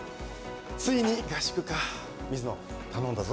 ついに合宿か水野頼んだぞ